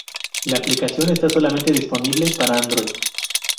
La aplicación está solamente disponible para Android.